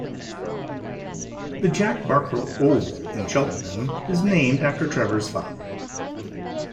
The Jack Barker Oval in Cheltenham is named after Trevor's father.